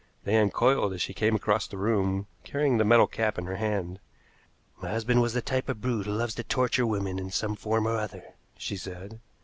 They uncoiled as she came across the room carrying the metal cap in her hand. "My husband was the type of brute who loves to torture women in some form or other," she said.